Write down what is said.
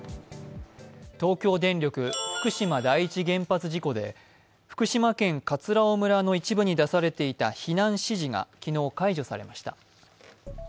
東京電力福島第一原発事故で福島県葛尾村の一部に出されていた避難指示が昨日、解除されました。